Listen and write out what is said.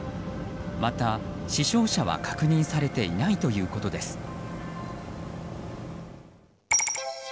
また死傷者は確認されていないということです。